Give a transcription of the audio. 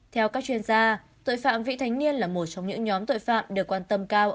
theo các chuyên gia tội phạm vị thanh niên là một trong những nhóm tội phạm được quan tâm cao